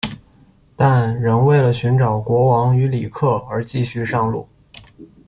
但仍为了寻找国王与里克而继续上路。